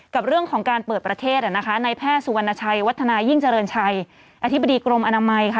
กับเรื่องของการเปิดประเทศในแพทย์สุวรรณชัยวัฒนายิ่งเจริญชัยอธิบดีกรมอนามัยค่ะ